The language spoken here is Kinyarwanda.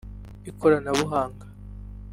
Ikoranabuhanga